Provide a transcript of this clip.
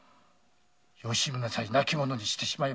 吉宗さえ亡き者にしてしまえば。